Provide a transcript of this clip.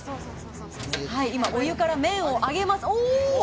お湯から麺を上げます。